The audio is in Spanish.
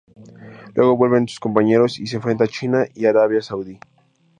Luego vuelven sus compañeros y se enfrentan a China y a Arabia Saudí.